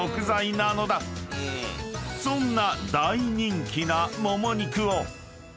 ［そんな］